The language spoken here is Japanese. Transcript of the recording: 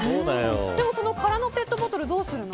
でも、その空のペットボトルはどうするの。